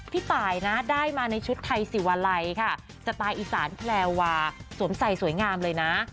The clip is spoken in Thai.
พี่ตายนะได้มาในชุดไทยสิวาลัยค่ะสไตล์อีสานแพลวาสวมใส่สวยงามเลยนะ